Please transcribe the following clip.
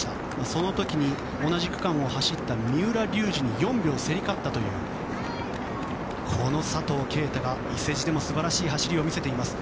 その時に同じ区間を走った三浦龍司に４秒、競り勝ったというこの佐藤圭汰が伊勢路でも素晴らしい走りを見せています。